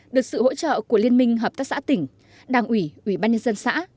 được sự hỗ trợ của liên minh hợp tác xã tỉnh đảng ủy ủy ban nhân dân xã